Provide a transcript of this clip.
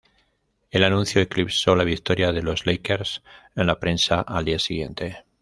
El anuncio eclipsó la victoria de los Lakers en la prensa al día siguiente.